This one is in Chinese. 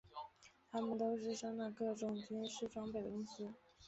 它们都是生产各种军事装备的公司。